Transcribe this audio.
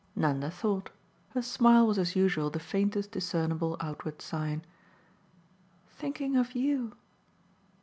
Nanda thought; her smile was as usual the faintest discernible outward sign. "Thinking of YOU."